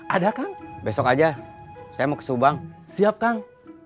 ada kang besok aja saya mau ke subang siap kang